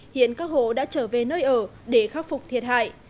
hiện các hộ đã trở về nơi ở để khắc phục thiệt hại